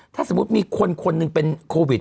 ถ้าสมมุติมีคนคนหนึ่งเป็นโควิด